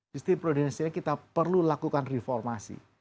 sistem perlindungan sosial ini kita perlu lakukan reformasi